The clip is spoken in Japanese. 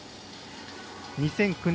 ２００９年